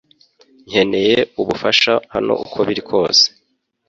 Nkeneye ubufasha hano uko biri kose